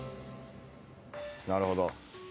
なるほど。